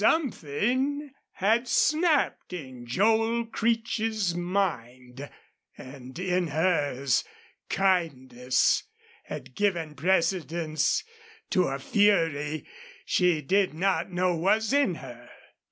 Something had snapped in Joel Creech's mind. And in hers kindness had given precedence to a fury she did not know was in her.